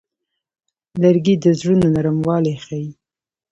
لرګی د زړونو نرموالی ښيي.